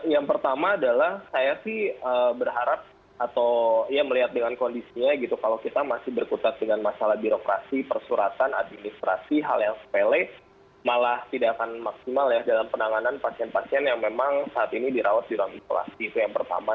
yang pertama adalah saya sih berharap atau ya melihat dengan kondisinya gitu kalau kita masih berkutat dengan masalah birokrasi persuratan administrasi hal yang sepele malah tidak akan maksimal ya dalam penanganan pasien pasien yang memang saat ini dirawat di ruang isolasi itu yang pertama